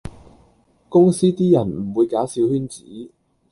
公司啲人唔會搞小圈子